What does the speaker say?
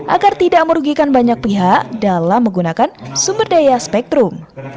agar tidak merugikan banyak pihak dalam menggunakan sumber daya spektrum